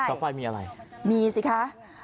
เสาไฟมีอะไรมีสิคะ